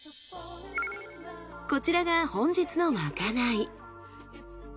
こちらが本日のまかない。